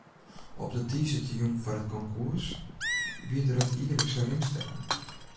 Op de tiisdeitejûn foar it konkoers wie der it jierlikse ringstekken.